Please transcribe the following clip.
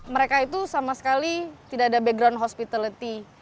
mereka itu sama sekali tidak ada background hospitality